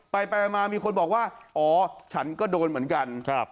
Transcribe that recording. ไปไปมามีคนบอกว่าอ๋อฉันก็โดนเหมือนกัน